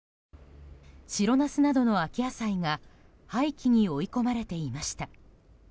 白ナスなどの秋野菜が廃棄に追い込まれていました。